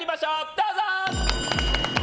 どうぞ！